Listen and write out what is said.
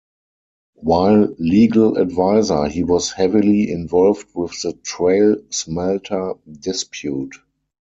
While Legal Advisor, he was heavily involved with the Trail Smelter dispute.